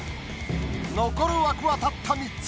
残る枠はたった３つ。